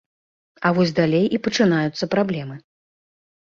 А вось далей і пачынаюцца праблемы.